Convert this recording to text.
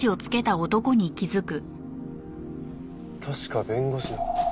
確か弁護士の。